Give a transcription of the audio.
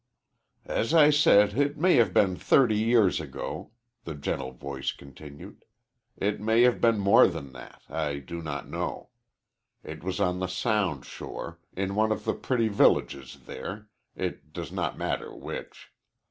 "As I said, it may have been thirty years ago," the gentle voice continued. "It may have been more than that I do not know. It was on the Sound shore, in one of the pretty villages there it does not matter which.